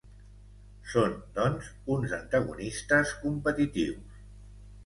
Són, doncs, uns antagonistes competitius.